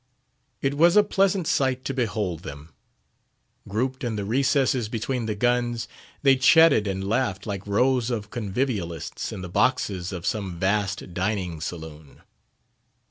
It was a pleasant sight to behold them. Grouped in the recesses between the guns, they chatted and laughed like rows of convivialists in the boxes of some vast dining saloon.